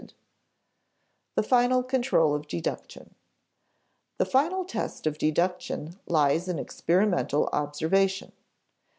[Sidenote: The final control of deduction] The final test of deduction lies in experimental observation.